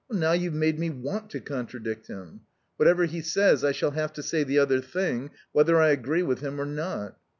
"Now you've made me want to contradict him. Whatever he says I shall have to say the other thing whether I agree with him or not."